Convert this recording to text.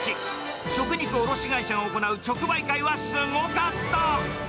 食肉卸会社が行う直売会はすごかった。